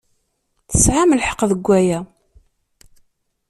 Tesɛamt lḥeqq deg waya.